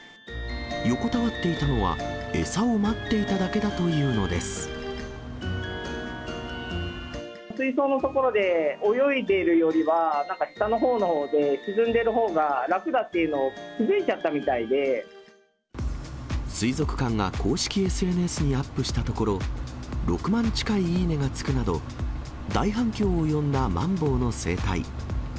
横たわっていたのは、餌を待水槽の所で泳いでいるよりは、なんか、下のほうで沈んでるほうが楽だっていうのを気付いちゃったみたい水族館が公式ＳＮＳにアップしたところ、６万近いいいねがつくなど、大反響を呼んだマンボウの生態。